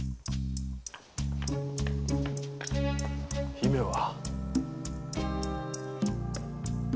姫は？